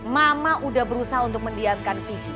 mama udah berusaha untuk mendiamkan pikir